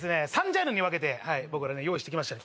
３ジャンルに分けてはい僕らね用意してきました